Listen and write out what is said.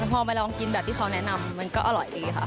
พอมาลองกินแบบที่เขาแนะนำมันก็อร่อยดีค่ะ